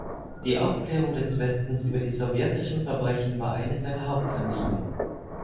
Die Aufklärung des Westens über die sowjetischen Verbrechen war eines seiner Hauptanliegen.